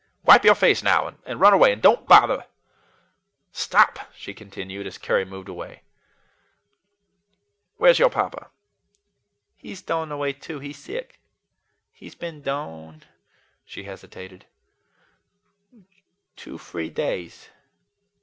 "Wipe your face now, and run away, and don't bother. Stop," she continued, as Carry moved away. "Where's your papa?" "He's dorn away too. He's sick. He's been dorn" she hesitated "two, free, days."